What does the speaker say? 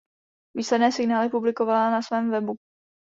Výsledné singly publikovala na svém webu.